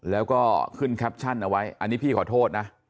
แล้วก็ขึ้นแคปชั่นเอาไว้อันนี้พี่ขอโทษนะ